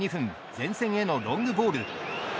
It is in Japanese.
前線へのロングボール。